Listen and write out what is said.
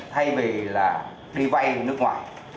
thay vì là đi vay nước ngoài